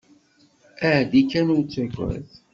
Ɛeddi kan ur ttagad.